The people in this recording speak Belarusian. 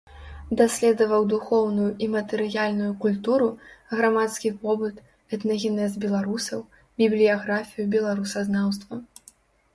Даследаваў духоўную і матэрыяльную культуру, грамадскі побыт, этнагенез беларусаў, бібліяграфію беларусазнаўства.